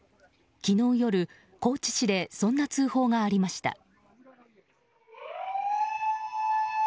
昨日夜、高知市でそんな通報がありました。